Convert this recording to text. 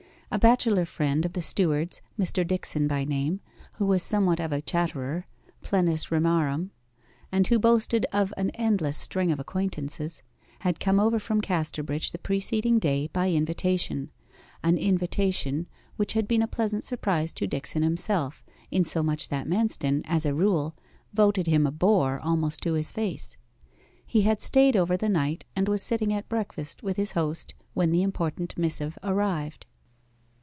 A bachelor friend of the steward's, Mr. Dickson by name, who was somewhat of a chatterer plenus rimarum and who boasted of an endless string of acquaintances, had come over from Casterbridge the preceding day by invitation an invitation which had been a pleasant surprise to Dickson himself, insomuch that Manston, as a rule, voted him a bore almost to his face. He had stayed over the night, and was sitting at breakfast with his host when the important missive arrived.